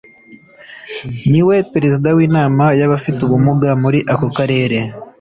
ni we Perezida w’Inama y’abafite ubumuga muri ako karere